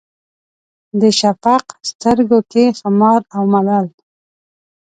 د شفق سترګو کې خمار او ملال